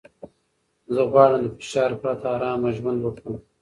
زه غواړم له فشار پرته ارامه ژوند وکړم.